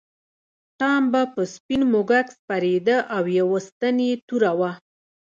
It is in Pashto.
ټام به په سپین موږک سپرېده او یوه ستن یې توره وه.